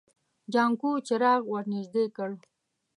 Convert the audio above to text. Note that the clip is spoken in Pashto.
جانکو څراغ ور نږدې کړ.